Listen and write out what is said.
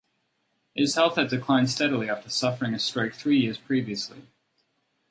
His health had declined steadily after suffering a stroke three years previously.